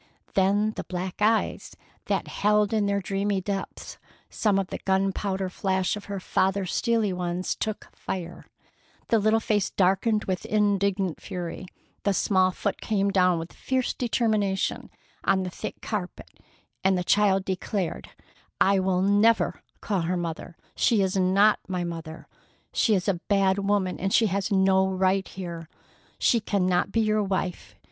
Then the black eyes that held in their dreamy depths some of the gunpowder flash of her father's steely ones took fire; the little face darkened with indignant fury; the small foot came down with fierce determination on the thick carpet, and the child declared: "I will never call her mother! She is not my mother! She is a bad woman, and she has no right here. She cannot be your wife.